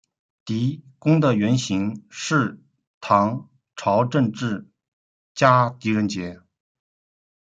狄公的原型是唐朝政治家狄仁杰。